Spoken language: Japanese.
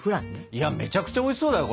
いやめちゃくちゃおいしそうだよ